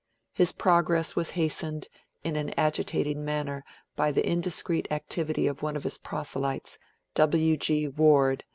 His progress was hastened in an agitating manner by the indiscreet activity of one of his proselytes, W. G. Ward.